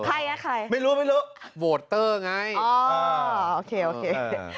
ใครอ่ะใครไม่รู้ไม่รู้โวตเตอร์ไงอ๋อโอเคโอเค